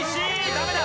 ダメだ！